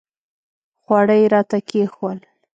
خواړه یې راته کښېښودل.